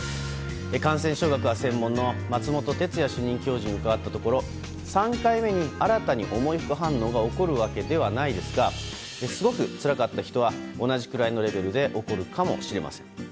感染症学が専門の松本哲哉主任教授に伺ったところ３回目に新たに重い副反応が起こるわけではないですがすごくつらかった人は同じくらいのレベルで起こるかもしれません。